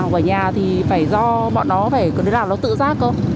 học ở nhà thì phải do bọn nó phải làm nó tự giác không